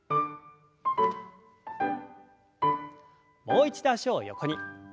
もう一度脚を横に。